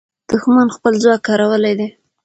دښمن خپل ځواک کارولی دی.